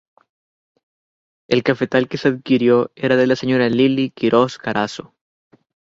El cafetal que se adquirió era de la señora Lilly Quirós Carazo.